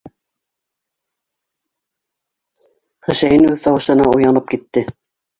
- Хөсәйен үҙ тауышына уянып китте.